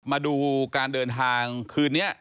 มาดูการเดินทางคืนนี้